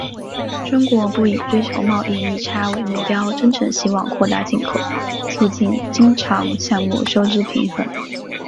中国不以追求贸易逆差为目标，真诚希望扩大进口，促进经常项目收支平衡。